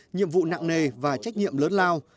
nhiệm vụ nạng nề và trách nhiệm lớn lao